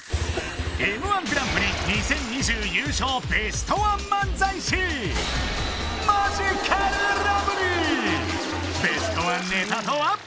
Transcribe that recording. Ｍ−１グランプリ２０２０優勝ベストワン漫才師ベストワンネタとは？